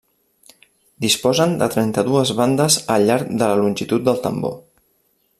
Disposen de trenta-dues bandes al llarg de la longitud del tambor.